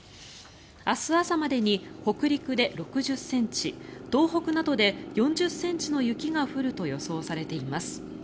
明日朝までに北陸で６０ｃｍ東北などで４０ｃｍの雪が降ると予想されています。